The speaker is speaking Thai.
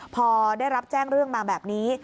พอได้รับแจ้งเรื่องมาแบบนี้